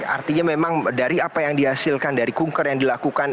artinya memang dari apa yang dihasilkan dari kunker yang dilakukan